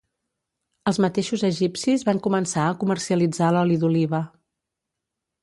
Els mateixos egipcis van començar a comercialitzar l'oli d'oliva.